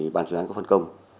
ban chuyên án có phân công